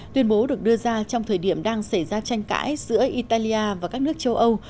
tuyên bố được đưa ra trong thời điểm đang xảy ra tranh cãi giữa italia và các nước châu âu